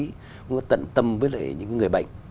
cũng đã tận tâm với lại những người bệnh